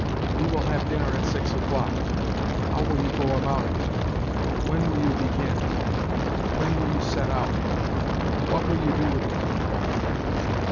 "We will have dinner at six o'clock." "How will you go about it?" "When will you begin?" "When will you set out?" "What will you do with it?"